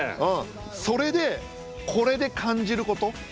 それでこれで感じること。